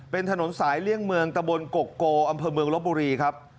เป็นถนนสายเลี่ยงเมืองตะบนกกโกอำเภอเมืองลบบุรีครับ